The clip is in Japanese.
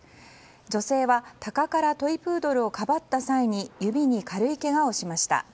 女性はタカからトイプードルをかばった際に指に軽いけがをしました。